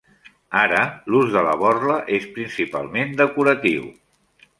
Ara, l'ús de la borla és principalment decoratiu.